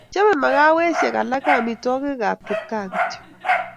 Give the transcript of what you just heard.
Chobei makawesiek alake amitwogikab kipkaa kityo